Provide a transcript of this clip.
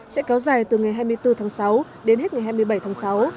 sẽ kéo dài từ ngày hai mươi bốn tháng sáu đến hết ngày hai mươi bảy tháng sáu